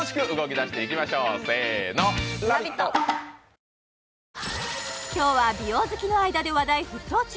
大丈夫今日は美容好きの間で話題沸騰中